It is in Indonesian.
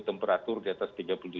temperatur di atas tiga puluh tujuh